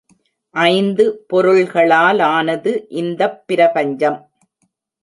ஐந்து பொருள்களாலானது இந்தப் பிரபஞ்சம்.